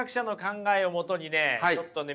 ちょっとね